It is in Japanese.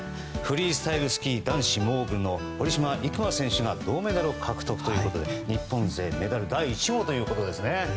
フリースタイルスキー男子モーグルの堀島行真選手が銅メダルを獲得ということで日本勢メダル第１号ということです。